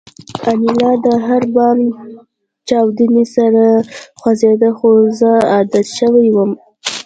انیلا د هر بم چاودنې سره خوځېده خو زه عادت شوی وم